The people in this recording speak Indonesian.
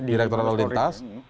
direkturat lalu lintas